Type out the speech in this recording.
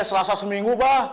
selasa seminggu pak